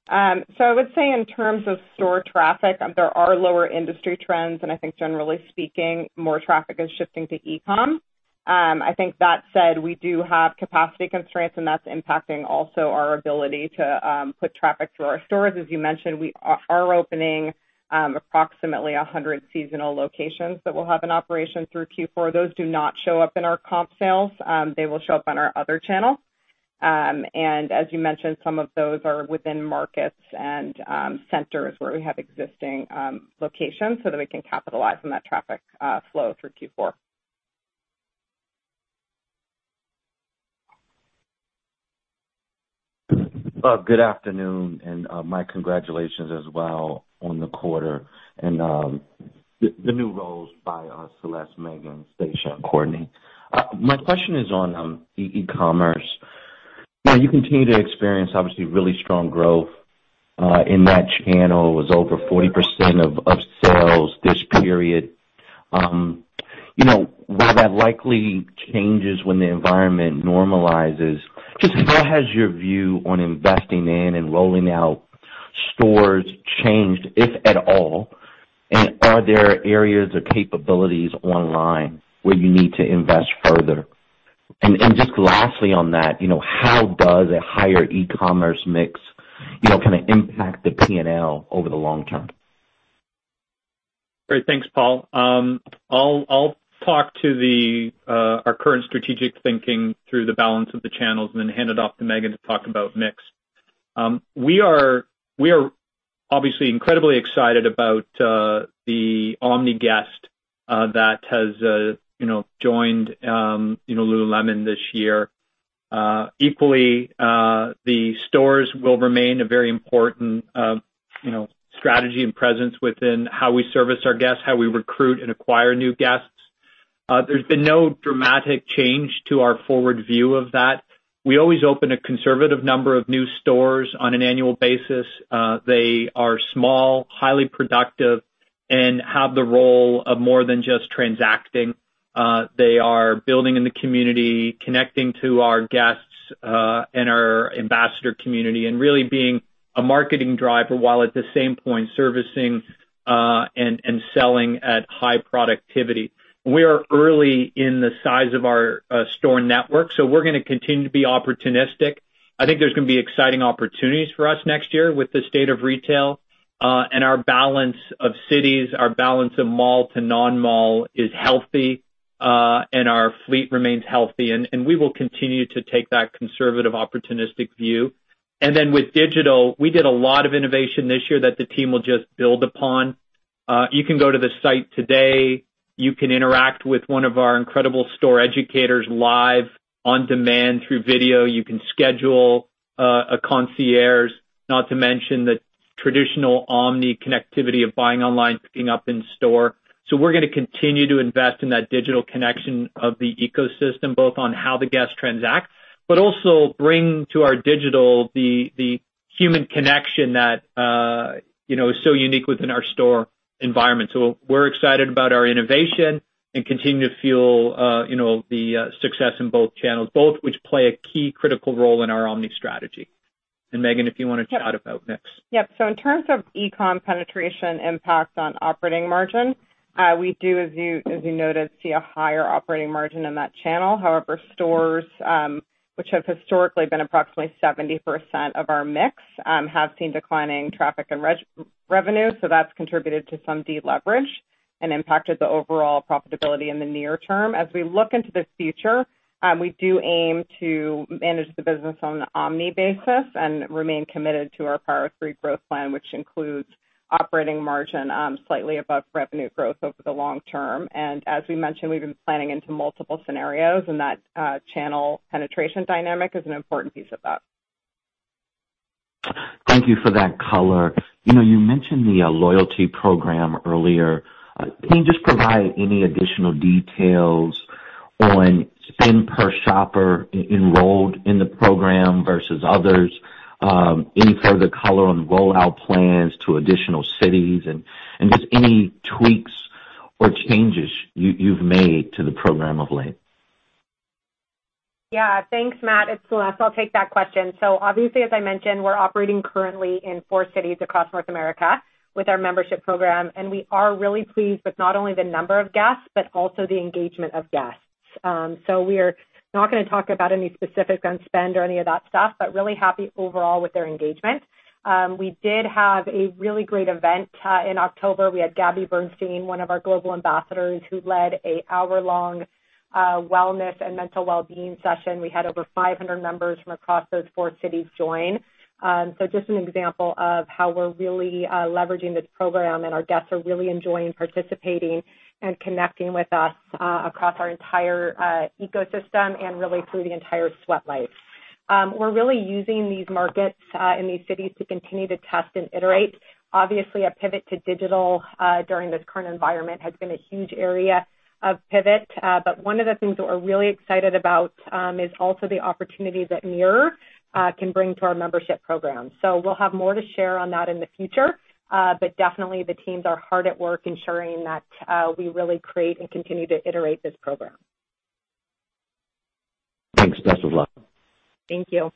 I would say in terms of store traffic, there are lower industry trends, and I think generally speaking, more traffic is shifting to e-com. I think that said, we do have capacity constraints, and that's impacting also our ability to put traffic through our stores. As you mentioned, we are opening approximately 100 seasonal locations that will have an operation through Q4. Those do not show up in our comp sales. They will show up on our other channel. As you mentioned, some of those are within markets and centers where we have existing locations so that we can capitalize on that traffic flow through Q4.
Good afternoon. My congratulations as well on the quarter and the new roles by Celeste, Meghan, Stacia, and Kourtney. My question is on e-commerce. You continue to experience obviously really strong growth in that channel. It was over 40% of sales this period. Where that likely changes when the environment normalizes, just how has your view on investing in and rolling out stores changed, if at all, and are there areas or capabilities online where you need to invest further? Just lastly on that, how does a higher e-commerce mix impact the P&L over the long term?
Great. Thanks, Paul. I'll talk to our current strategic thinking through the balance of the channels and then hand it off to Meghan to talk about mix. We are obviously incredibly excited about the omni guest that has joined Lululemon this year. Equally, the stores will remain a very important strategy and presence within how we service our guests, how we recruit and acquire new guests. There's been no dramatic change to our forward view of that. We always open a conservative number of new stores on an annual basis. They are small, highly productive, and have the role of more than just transacting. They are building in the community, connecting to our guests, and our ambassador community, and really being a marketing driver while at the same point, servicing, and selling at high productivity. We are early in the size of our store network, so we're going to continue to be opportunistic. I think there's going to be exciting opportunities for us next year with the state of retail. Our balance of cities, our balance of mall to non-mall is healthy, and our fleet remains healthy, and we will continue to take that conservative opportunistic view. With digital, we did a lot of innovation this year that the team will just build upon. You can go to the site today. You can interact with one of our incredible store educators live on demand through video. You can schedule a concierge, not to mention the traditional omni connectivity of buying online, picking up in store. We're going to continue to invest in that digital connection of the ecosystem, both on how the guests transact, also bring to our digital the human connection that is so unique within our store environment. We're excited about our innovation and continue to fuel the success in both channels, both of which play a key critical role in our omni strategy. Meghan, if you want to chat about mix.
Yep. In terms of e-com penetration impact on operating margin, we do, as you noted, see a higher operating margin in that channel. However, stores, which have historically been approximately 70% of our mix, have seen declining traffic and revenue. That's contributed to some de-leverage and impacted the overall profitability in the near term. As we look into the future, we do aim to manage the business on an omni basis and remain committed to our Power of Three growth plan, which includes operating margin slightly above revenue growth over the long term. As we mentioned, we've been planning into multiple scenarios, and that channel penetration dynamic is an important piece of that.
Thank you for that color. You mentioned the loyalty program earlier. Can you just provide any additional details on spend per shopper enrolled in the program versus others? Any further color on rollout plans to additional cities and just any tweaks or changes you've made to the program of late?
Yeah, thanks, Matt. It's Celeste. I'll take that question. Obviously, as I mentioned, we're operating currently in four cities across North America with our membership program, and we are really pleased with not only the number of guests, but also the engagement of guests. We're not going to talk about any specifics on spend or any of that stuff, but really happy overall with their engagement. We did have a really great event in October. We had Gabby Bernstein, one of our global ambassadors, who led an hour-long wellness and mental well-being session. We had over 500 members from across those four cities join. Just an example of how we're really leveraging this program, and our guests are really enjoying participating and connecting with us across our entire ecosystem and really through the entire Sweatlife. We're really using these markets in these cities to continue to test and iterate. Obviously, a pivot to digital during this current environment has been a huge area of pivot. One of the things that we're really excited about is also the opportunity that Mirror can bring to our Membership Program. We'll have more to share on that in the future. Definitely the teams are hard at work ensuring that we really create and continue to iterate this program.
Thanks. Best of luck.
Thank you.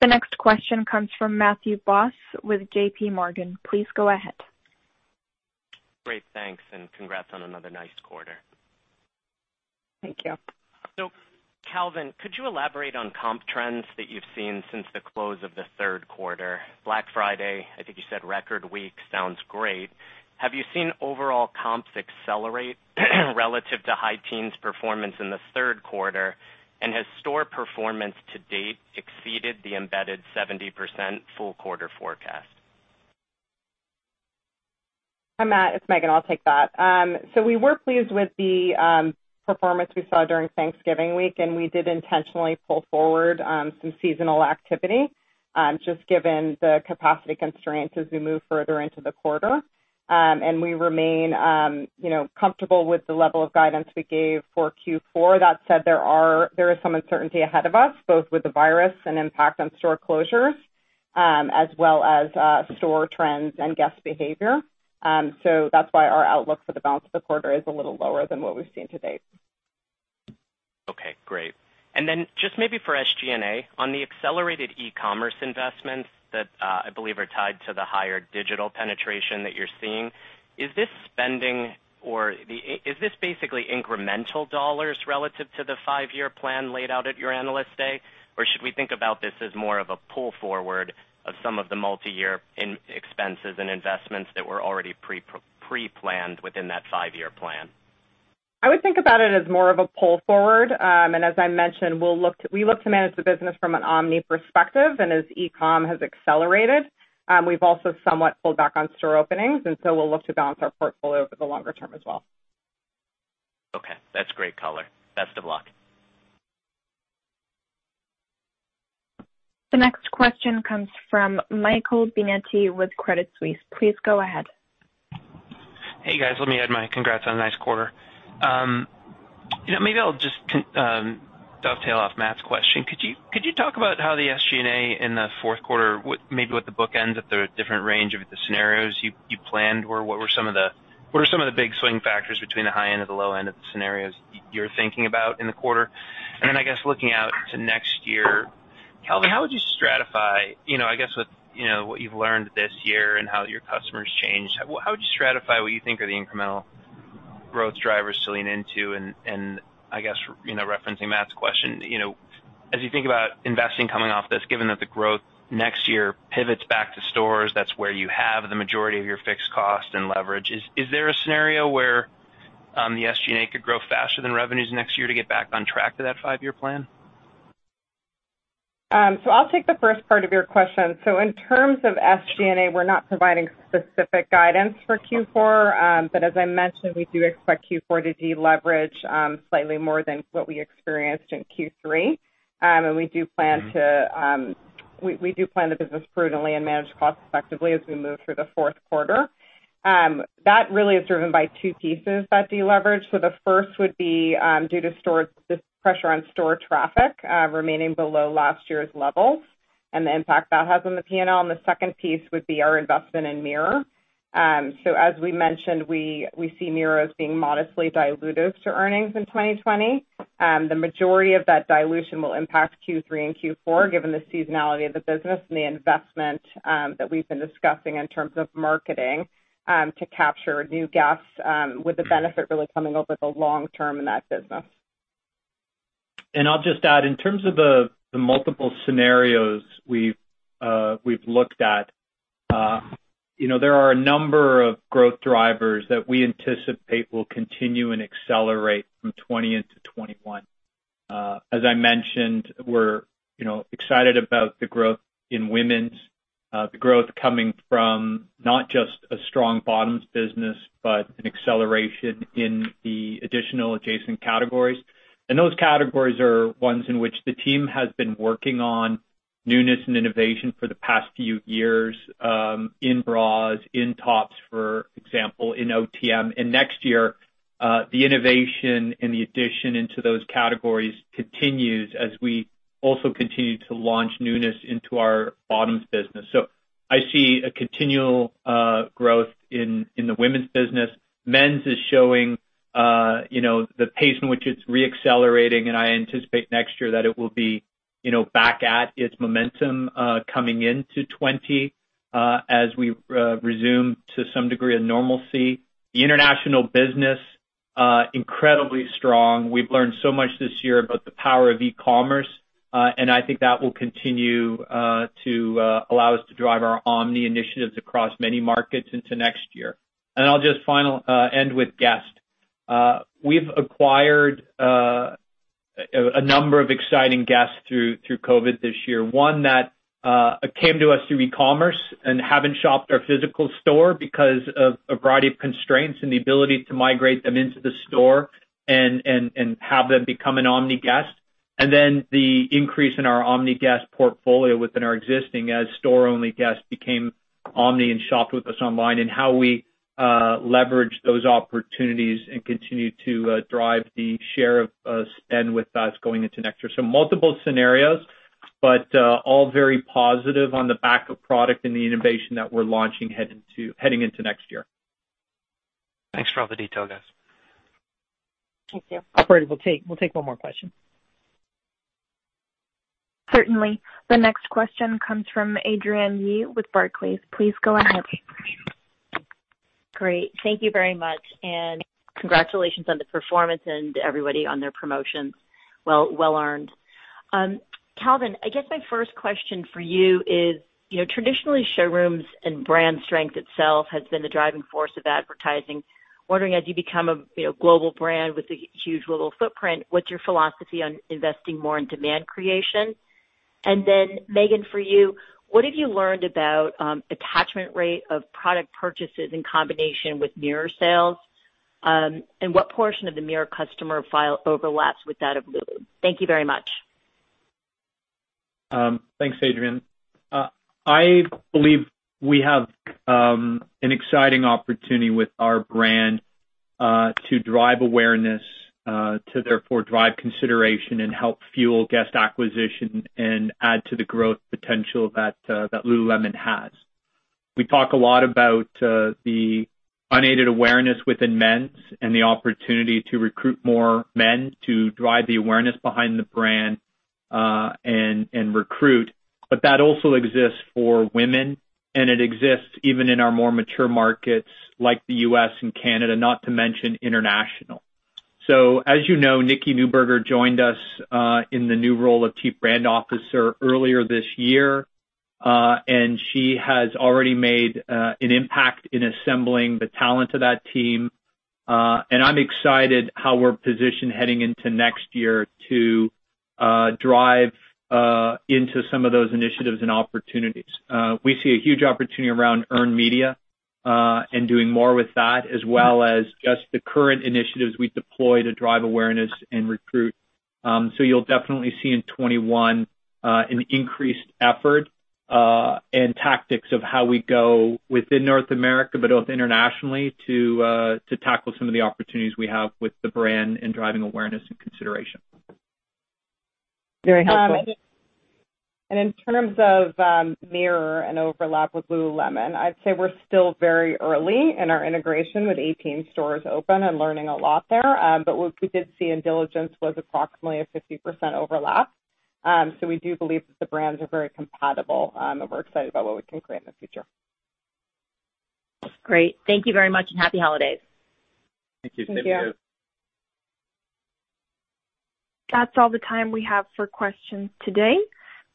The next question comes from Matthew Boss with JPMorgan. Please go ahead.
Great. Thanks. Congrats on another nice quarter.
Thank you.
Calvin, could you elaborate on comp trends that you've seen since the close of the third quarter? Black Friday, I think you said record week. Sounds great. Have you seen overall comps accelerate relative to high teens performance in the third quarter? Has store performance to date exceeded the embedded 70% full quarter forecast?
Hi, Matt, it's Meghan. I'll take that. We were pleased with the performance we saw during Thanksgiving week, we did intentionally pull forward some seasonal activity, just given the capacity constraints as we move further into the quarter. We remain comfortable with the level of guidance we gave for Q4. That said, there is some uncertainty ahead of us, both with the virus and impact on store closures, as well as store trends and guest behavior. That's why our outlook for the balance of the quarter is a little lower than what we've seen to date.
Okay, great. Just maybe for SG&A, on the accelerated e-commerce investments that I believe are tied to the higher digital penetration that you're seeing, is this basically incremental dollars relative to the five year plan laid out at your Analyst Day? Should we think about this as more of a pull forward of some of the multi-year expenses and investments that were already pre-planned within that five year plan?
I would think about it as more of a pull forward. As I mentioned, we look to manage the business from an omni perspective, and as e-com has accelerated, we've also somewhat pulled back on store openings. So we'll look to balance our portfolio over the longer term as well.
Okay, that's great color. Best of luck.
The next question comes from Michael Binetti with Credit Suisse. Please go ahead.
Hey, guys, let me add my congrats on a nice quarter. Maybe I'll just dovetail off Matt's question. Could you talk about how the SG&A in the fourth quarter, maybe what the book ends at the different range of the scenarios you planned were? What were some of the big swing factors between the high end and the low end of the scenarios you were thinking about in the quarter? I guess looking out to next year, Calvin, how would you stratify, I guess with what you've learned this year and how your customers changed, how would you stratify what you think are the incremental growth drivers to lean into? I guess, referencing Matt's question, as you think about investing coming off this, given that the growth next year pivots back to stores, that's where you have the majority of your fixed cost and leverage, is there a scenario where the SG&A could grow faster than revenues next year to get back on track to that five year plan?
I'll take the first part of your question. In terms of SG&A, we're not providing specific guidance for Q4. As I mentioned, we do expect Q4 to deleverage slightly more than what we experienced in Q3. We do plan the business prudently and manage costs effectively as we move through the fourth quarter. That really is driven by two pieces, that deleverage. The first would be due to pressure on store traffic remaining below last year's levels and the impact that has on the P&L, and the second piece would be our investment in Mirror. As we mentioned, we see Mirror as being modestly dilutive to earnings in 2020. The majority of that dilution will impact Q3 and Q4, given the seasonality of the business and the investment that we've been discussing in terms of marketing to capture new guests, with the benefit really coming over the long term in that business.
I'll just add, in terms of the multiple scenarios we've looked at, there are a number of growth drivers that we anticipate will continue and accelerate from 2020 into 2021. As I mentioned, we're excited about the growth in women's. The growth coming from not just a strong bottoms business, but an acceleration in the additional adjacent categories. Those categories are ones in which the team has been working on newness and innovation for the past few years, in bras, in tops, for example, in OTM. Next year, the innovation and the addition into those categories continues as we also continue to launch newness into our bottoms business. I see a continual growth in the women's business. Men's is showing the pace in which it's re-accelerating. I anticipate next year that it will be back at its momentum coming into 2020 as we resume, to some degree, a normalcy. The international business, incredibly strong. We've learned so much this year about the power of e-commerce. I think that will continue to allow us to drive our omni initiatives across many markets into next year. I'll just end with guest. We've acquired a number of exciting guests through COVID this year. One that came to us through e-commerce and haven't shopped our physical store because of a variety of constraints and the ability to migrate them into the store and have them become an omni guest. The increase in our omni guest portfolio within our existing as store-only guests became omni and shopped with us online, and how we leverage those opportunities and continue to drive the share of spend with us going into next year. Multiple scenarios, but all very positive on the back of product and the innovation that we're launching heading into next year.
Thanks for all the detail, guys.
Thank you.
Operator, we'll take one more question.
Certainly. The next question comes from Adrienne Yih with Barclays. Please go ahead.
Great. Thank you very much, and congratulations on the performance and everybody on their promotions. Well earned. Calvin, I guess my first question for you is, traditionally, showrooms and brand strength itself has been the driving force of advertising. Wondering, as you become a global brand with a huge global footprint, what's your philosophy on investing more in demand creation? Then Meghan, for you, what have you learned about attachment rate of product purchases in combination with Mirror sales? What portion of the Mirror customer file overlaps with that of Lulu? Thank you very much.
Thanks, Adrienne. I believe we have an exciting opportunity with our brand to drive awareness to therefore drive consideration and help fuel guest acquisition and add to the growth potential that Lululemon has. We talk a lot about the unaided awareness within men's and the opportunity to recruit more men to drive the awareness behind the brand and recruit. That also exists for women, and it exists even in our more mature markets like the U.S. and Canada, not to mention international. As you know, Nikki Neuburger joined us in the new role of Chief Brand Officer earlier this year. She has already made an impact in assembling the talent of that team. I'm excited how we're positioned heading into next year to drive into some of those initiatives and opportunities. We see a huge opportunity around earned media, and doing more with that, as well as just the current initiatives we deploy to drive awareness and recruit. You'll definitely see in 2021 an increased effort and tactics of how we go within North America, but also internationally, to tackle some of the opportunities we have with the brand and driving awareness and consideration.
Very helpful.
In terms of Mirror and overlap with Lululemon, I'd say we're still very early in our integration with 18 stores open and learning a lot there. What we did see in diligence was approximately a 50% overlap. We do believe that the brands are very compatible, and we're excited about what we can create in the future.
Great. Thank you very much, and happy holidays.
Thank you. Same to you.
Thank you.
That's all the time we have for questions today.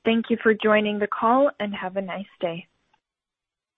Thank you for joining the call, and have a nice day.